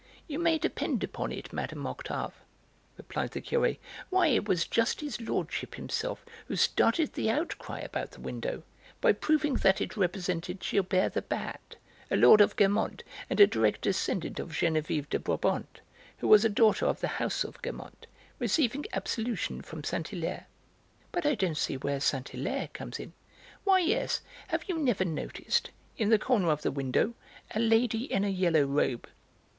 "You may depend upon it, Mme. Octave," replied the Curé. "Why, it was just his Lordship himself who started the outcry about the window, by proving that it represented Gilbert the Bad, a Lord of Guermantes and a direct descendant of Geneviève de Brabant, who was a daughter of the House of Guermantes, receiving absolution from Saint Hilaire." "But I don't see where Saint Hilaire comes in." "Why yes, have you never noticed, in the corner of the window, a lady in a yellow robe?